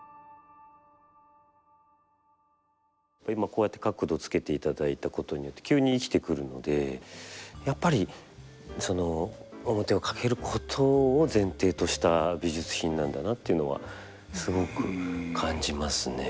今こうやって角度つけていただいたことによって急に生きてくるのでやっぱり面をかけることを前提とした美術品なんだなっていうのはすごく感じますね。